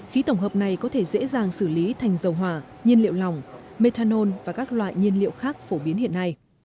khí tổng hợp này có thể dễ dàng xử lý thành dầu hỏa nhiên liệu lỏng methanol và các loại nhiên liệu khác phổ biến hiện nay